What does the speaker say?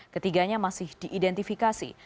ketiganya masih diidentifikasi